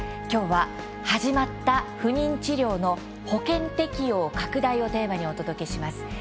きょうは「はじまった不妊治療の保険適用拡大」をテーマにお届けします。